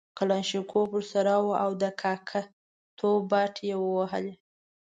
کلاشینکوف ورسره وو او د کاکه توب باټې یې وهلې.